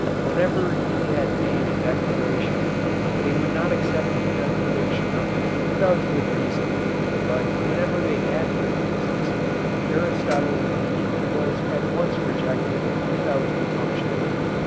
Whenever he had made a declaration they would not accept the contradiction of it without a good reason, but whenever they had good reasons, Aristotle's opinion was at once rejected without compunction.